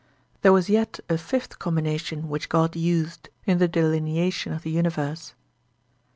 There was yet a fifth combination which God used in the delineation of the universe.